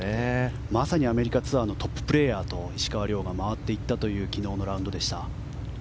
まさにアメリカツアーのトッププレーヤーと石川が回っていった昨日のラウンドでした。